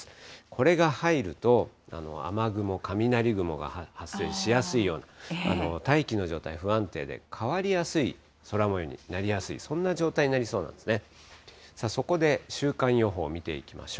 これが入ると、雨雲、雷雲が発生しやすいような、大気の状態不安定で、変わりやすい空模様になりやすい、そんな状態になりそうなんですね。